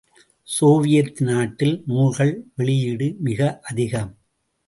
Soviet நாட்டில் நூல்கள் வெளியீடு மிக அதிகம்.